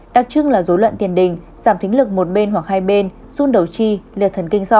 đặc trưng là dối loạn tiền đình giảm thính lực một bên hoặc hai bên run đầu chi liệt thần kinh doanh